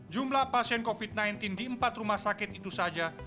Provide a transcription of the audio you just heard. jumlah pasien covid sembilan belas di empat rumah sakit itu saja